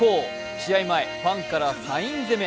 試合前、ファンからサイン攻め。